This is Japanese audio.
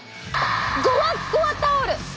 ゴワゴワタオル！